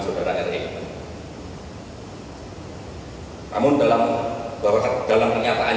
karena terdapat konsekuensi tentunya terhadap pelindungan saudara r i